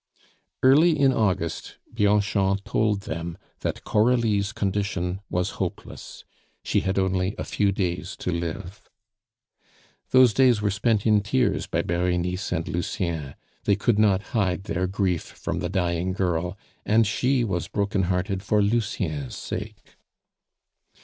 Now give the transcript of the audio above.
Early in August, Bianchon told them that Coralie's condition was hopeless she had only a few days to live. Those days were spent in tears by Berenice and Lucien; they could not hide their grief from the dying girl, and she was broken hearted for Lucien's sake.